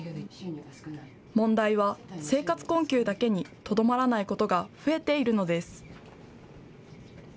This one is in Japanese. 問題は生活困窮だけにとどまらないことが増えているのです。